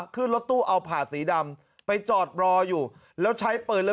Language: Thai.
ขึ้นรถตู้เอาผ่าสีดำไปจอดรออยู่แล้วใช้ปืนแล้ว